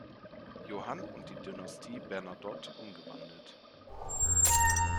Johann und die Dynastie Bernadotte umgewandelt.